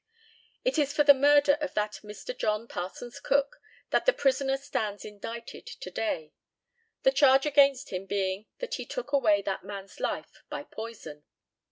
It is for the murder of that Mr. John Parsons Cook that the prisoner stands indicted to day, the charge against him being that he took away that man's life by poison.